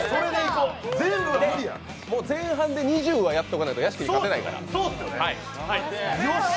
前半で２０はやっとかないと屋敷に勝てないから。